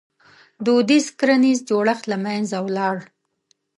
• دودیز کرنیز جوړښت له منځه ولاړ.